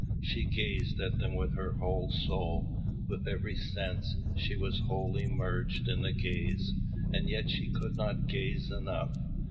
She gazed at them with her whole soul, with every sense; she was wholly merged in the gaze, and yet she could not gaze enough.